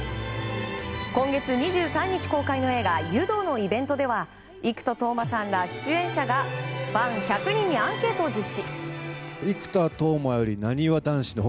今月２３日公開の映画「湯道」のイベントでは生田斗真さんら出演者がファン１００人にアンケートを実施。